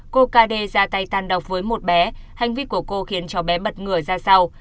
cô kd ra tay tan đọc với một bé hành vi của cô khiến cho bé bật ngửa ra sau